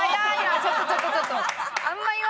ちょっとちょっとちょっと！